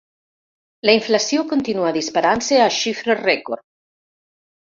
La inflació continua disparant-se a xifres rècord.